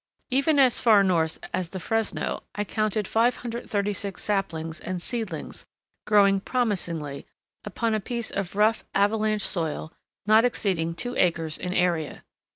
Even as far north as the Fresno, I counted 536 saplings and seedlings growing promisingly upon a piece of rough avalanche soil not exceeding two acres in area.